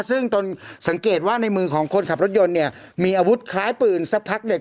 ซึ่งตนสังเกตว่าในมือของคนขับรถยนต์เนี่ยมีอาวุธคล้ายปืนสักพักเด็ก